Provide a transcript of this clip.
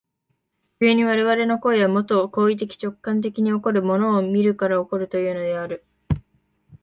故に我々の行為は、もと行為的直観的に起こる、物を見るから起こるというのである。